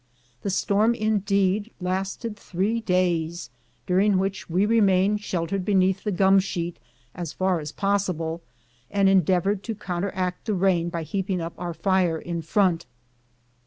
The storm indeed lasted three days, during which we remained sheltered beneath the gum sheet as far as possible, and endeavored to counteract the rain by heaping up our fire in front.